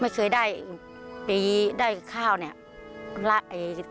ไม่เคยได้ขอบความขออนุญาต